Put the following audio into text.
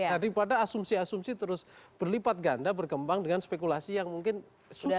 daripada asumsi asumsi terus berlipat ganda berkembang dengan spekulasi yang mungkin susah